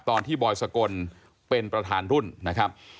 ตอนที่บอยสกลเป็นประธานรุ่นนะครับ